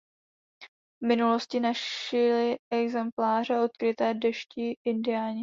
V minulosti našli exempláře odkryté dešti Indiáni.